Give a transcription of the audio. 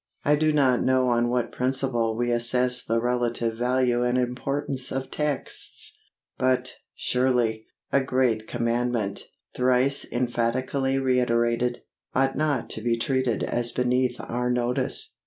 I do not know on what principle we assess the relative value and importance of texts; but, surely, a great commandment, thrice emphatically reiterated, ought not to be treated as beneath our notice.